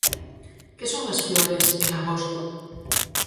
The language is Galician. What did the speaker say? Que son as flores en 'Agosto'?